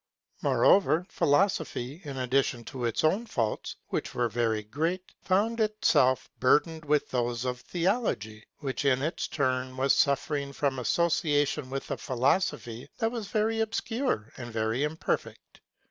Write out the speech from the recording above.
Moreover, philosophy, in addition to its own faults, which were very great, found itself burdened with those of theology, which in its turn was suffering from association with a philosophy that was very obscure and very imperfect.